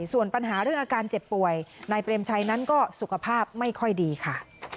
ส่วนปัญหาเรื่องอาการเจ็บป่วยนายเปรมชัยนั้นก็สุขภาพไม่ค่อยดีค่ะ